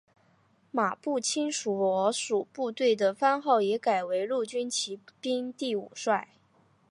马步青所属部队的番号也改为陆军骑兵第五师。